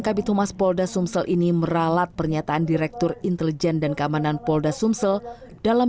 kabitumas polda sumsel ini meralat pernyataan direktur intelijen dan keamanan polda sumsel dalam